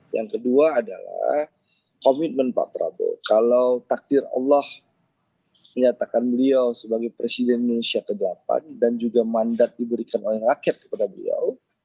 yang kedua adalah komitmen pak prabowo kalau takdir allah menyatakan beliau sebagai presiden indonesia ke delapan dan juga mandat diberikan oleh rakyat kepada beliau